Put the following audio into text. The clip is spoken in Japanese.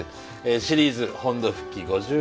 「シリーズ本土復帰５０年」。